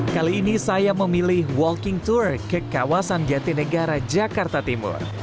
kali ini saya memilih walking tour ke kawasan jatinegara jakarta timur